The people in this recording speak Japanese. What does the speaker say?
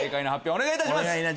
お願いいたします。